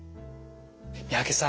三宅さん